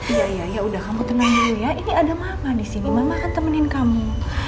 iya iya iya udah kamu tenang dulu ya ini ada mama disini mama akan temenin kamu